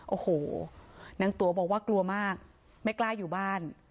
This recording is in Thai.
โอ้โหนางตั๋วบอกว่ากลัวมากไม่กล้าอยู่บ้าน